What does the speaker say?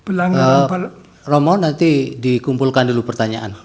ramon nanti dikumpulkan dulu pertanyaan